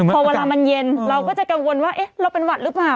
พอเวลามันเย็นเราก็จะกังวลว่าเราเป็นหวัดหรือเปล่า